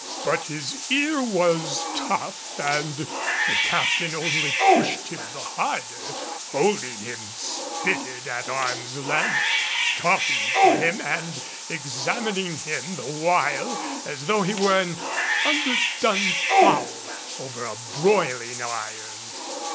But his ear was tough, and the Captain only pushed him the harder, holding him spitted at arm's length, talking to him and examining him the while as though he were an underdone fowl over a broiling iron.